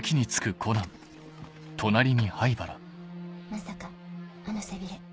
まさかあの背びれ。